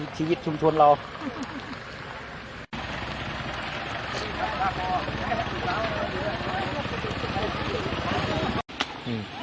มารับผู้ชมช่วยที่กลับแล้ว